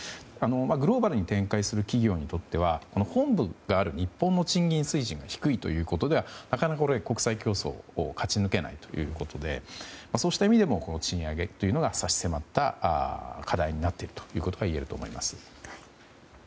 グローバルに展開する企業にとっては本部がある日本の賃金水準が低いということではなかなか国際競争を勝ち抜けないということでそうした意味でも賃上げというのは差し迫った課題になっているといえると思います。